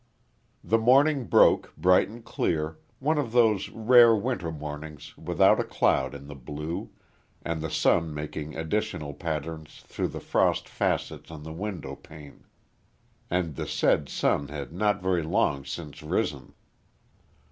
The morning broke, bright and clear, one of those rare winter mornings without a cloud in the blue, and the sun making additional patterns through the frost facets on the window pane. And the said sun had not very long since risen.